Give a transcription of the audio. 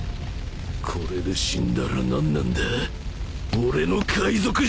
これで死んだら何なんだ俺の海賊人生！！